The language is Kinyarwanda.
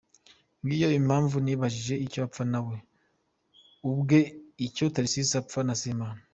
Ngiyo Impamvu nibajije icyo apfa na we ubwe, icyo Tharcisse apfa na Semana.